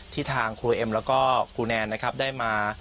ทางครูเอ็มแล้วก็ครูแนนนะครับได้มา